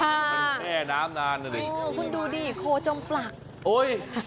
มันแช่น้ำนานน่ะดิเออคุณดูดิโคจมปลักโอ้ย